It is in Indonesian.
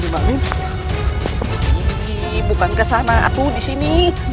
tenang kita dengarkan dulu sih